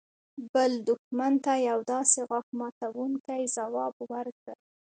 بل دښمن ته يو داسې غاښ ماتونکى ځواب ورکړل.